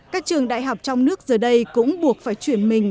các trường đại học trong nước giờ đây cũng buộc phải chuyển mình